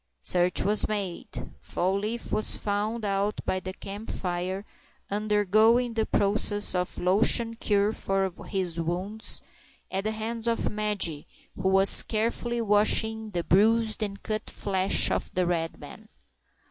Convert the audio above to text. Search was made. Fall leaf was found out by the camp fire, undergoing the process of the lotion cure for his wounds, at the hands of Madge, who was carefully washing the bruised and cut flesh of the red man.